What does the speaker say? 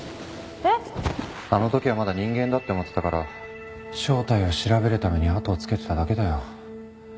あの時はまだ人間だって思ってたから正体を調べるためにあとをつけてただけだよ。